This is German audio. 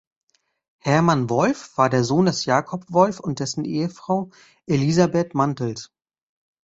Hermann Wolff war der Sohn des Jakob Wolff und dessen Ehefrau Elisabeth Mantels.